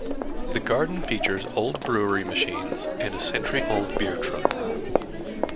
The Garden features old brewery machines and a century-old beer truck.